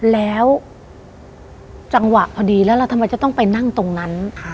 แล้วจังหวะพอดีแล้วเราทำไมจะต้องไปนั่งตรงนั้น